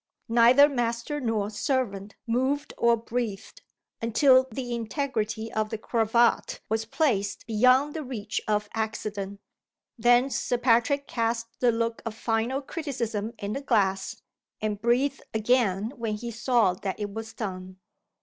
Neither master nor servant moved or breathed until the integrity of the cravat was placed beyond the reach of accident. Then Sir Patrick cast the look of final criticism in the glass, and breathed again when he saw that it was done.